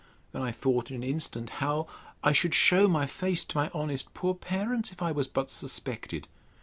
Then I thought in an instant, how I should shew my face to my honest poor parents, if I was but suspected.